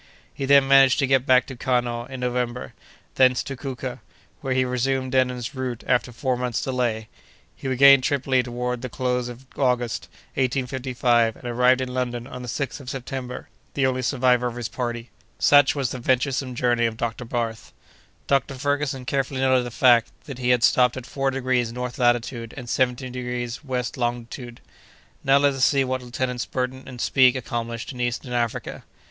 He then managed to get back to Kano in November, thence to Kouka, where he resumed Denham's route after four months' delay. He regained Tripoli toward the close of August, 1855, and arrived in London on the 6th of September, the only survivor of his party. Such was the venturesome journey of Dr. Barth. Dr. Ferguson carefully noted the fact, that he had stopped at four degrees north latitude and seventeen degrees west longitude. Now let us see what Lieutenants Burton and Speke accomplished in Eastern Africa.